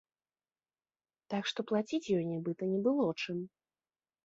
Так што плаціць ёй нібыта не было чым.